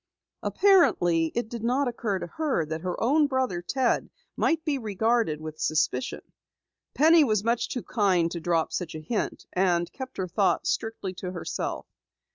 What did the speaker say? Apparently it did not occur to her that her own brother Ted might be regarded with suspicion. Penny was much too kind to drop such a hint, and kept her thoughts strictly to herself.